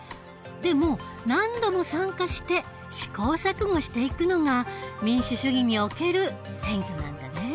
でも何度も参加して試行錯誤していくのが民主主義における選挙なんだね。